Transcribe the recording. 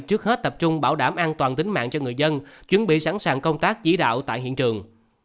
trước hết tập trung bảo đảm an toàn tính mạng cho người dân chuẩn bị sẵn sàng công tác chỉ đạo tại hiện trường